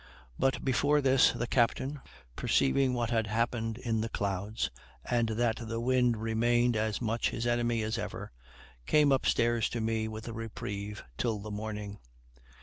But before this, the captain, perceiving what had happened in the clouds, and that the wind remained as much his enemy as ever, came upstairs to me with a reprieve till the morning.